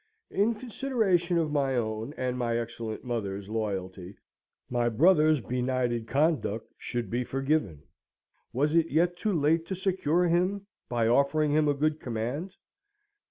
In consideration of my own and my excellent mother's loyalty, my brother's benighted conduct should be forgiven. Was it yet too late to secure him by offering him a good command?